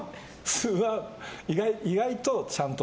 素は意外とちゃんと。